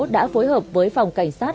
đã phối hợp với phòng cảnh sát